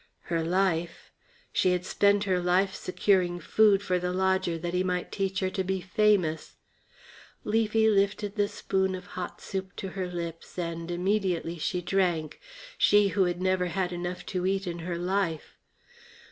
Her life? She had spent her life securing food for the lodger that he might teach her to be famous. Leafy lifted the spoon of hot soup to her lips and immediately she drank she who had never had enough to eat in her life.